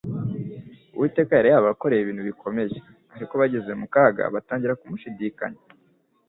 Uwiteka yari yarabakoreye ibintu bikomeye; ariko bageze mu kaga batangira kumushidikanya,